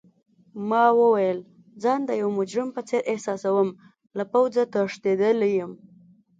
ما وویل: ځان د یو مجرم په څېر احساسوم، له پوځه تښتیدلی یم.